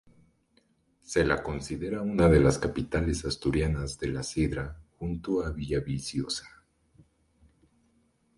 Se la considera una de las capitales asturianas de la sidra junto a Villaviciosa.